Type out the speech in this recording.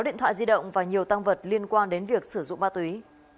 sáu điện thoại di động và nhiều tăng vật liên quan đến việc sử dụng ma túy